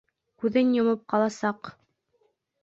Күҙен йомоп ҡаласаҡ.